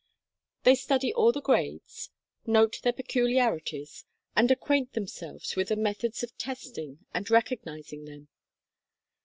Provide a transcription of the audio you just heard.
They study all the grades, note their peculiarities, and acquaint them selves with the methods of testing and recognizing them.